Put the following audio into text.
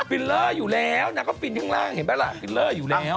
ฟิล์นข้างล่างเห็นไหมล่ะฟิล์นเลอร์อยู่แล้ว